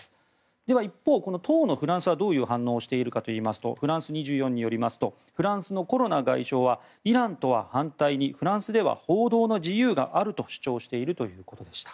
では一方、この当のフランスはどういう反応をしているかといいますとフランス２４によりますとフランスのコロナ外相はイランとは反対にフランスでは報道の自由があると主張しているということでした。